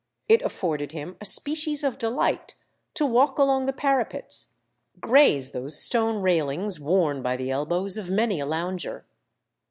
It afforded him a species of delight to walk along the parapets, graze those stone railings worn by the elbows of many a lounger.